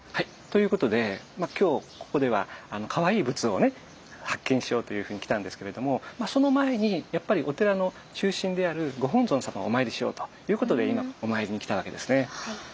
ということで今日ここではかわいい仏像をね発見しようというふうに来たんですけれどもその前にやっぱりお寺の中心であるご本尊様をお参りしようということで今お参りに来たわけですね。